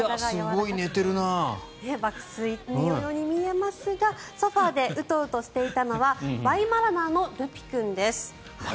爆睡のように見えますがソファでウトウトしていたのはワイマラナーのルピ君です。